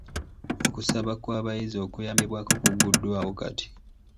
Okusaba kw'abayizi okuyambibwako kugguddwawo kati.